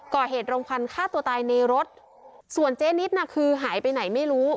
โรงควันฆ่าตัวตายในรถส่วนเจ๊นิดน่ะคือหายไปไหนไม่รู้